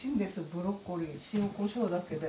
ブロッコリー塩こしょうだけで。